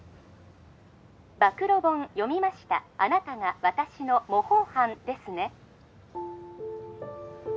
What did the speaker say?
☎暴露本読みましたあなたが私の模倣犯ですね？